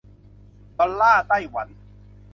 ดอลลาร์ไต้หวัน